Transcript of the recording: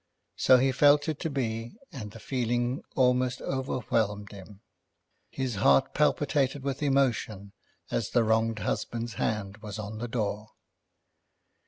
So he felt it to be, and the feeling almost overwhelmed him. His heart palpitated with emotion as the wronged husband's hand was on the door.